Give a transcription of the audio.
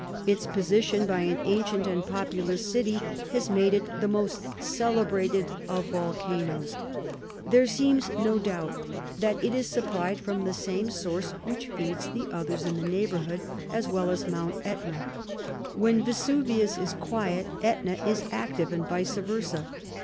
Its position, by an ancient and populous city, has made it the most celebrated of volcanoes. There seems no doubt that it is supplied from the same source which feeds the others in the neighborhood, as well as Mt. Ætna. When Vesuvius is quiet, Ætna is active, and vice versa.